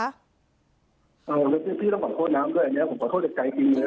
อ้าวแล้วพี่ต้องขอโทษนะอันนี้ผมขอโทษจากใจจริง